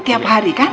tiap hari kan